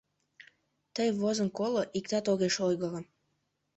Тый возын коло, иктат огеш ойгыро.